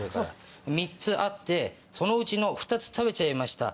３つあってそのうちの２つ食べちゃいました。